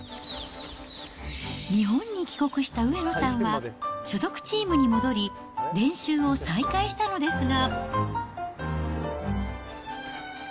日本に帰国した上野さんは、所属チームに戻り、練習を再開したのですが。